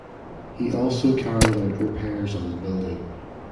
He also carried out repairs on the building.